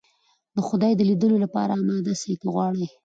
د خدای د ليدلو لپاره اماده سئ که غواړئ.